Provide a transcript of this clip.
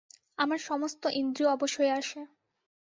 আমার সমস্ত ইন্দ্রিয় অবশ হয়ে আসে।